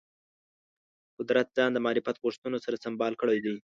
قدرت ځان د معرفت غوښتنو سره سمبال کړی دی